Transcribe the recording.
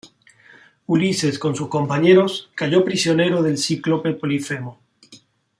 Ulises, con sus compañeros, cayó prisionero del cíclope Polifemo.